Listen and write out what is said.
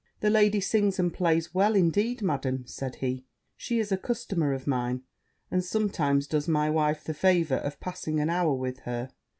'The lady sings and plays well indeed, Madam,' said he: 'she is a customer of mine, and sometimes does my wife the favour of passing an hour with her.'